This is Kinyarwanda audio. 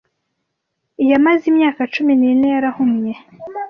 yamaze imyaka cumi nine yarahumye